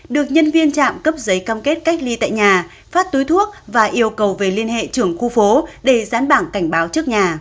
được nhân viên trạm cấp giấy cam kết cách ly tại nhà phát túi thuốc và yêu cầu về liên hệ trưởng khu phố để gián bản cảnh báo trước nhà